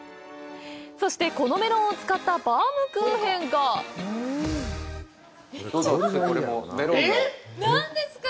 そして、このメロンを使ったバウムクーヘンがどうぞ、これも。